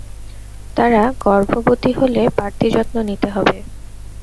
তারা গর্ভবতী হলে বাড়তি যত্ন নিতে হবে।